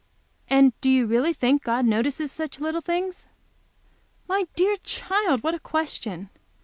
"And do you really think that God notices such little things?" "My dear child, what a question!